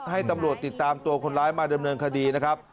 ให้ตำรวจติดตามตัวคนร้ายมาดำเนินคดีนะครับ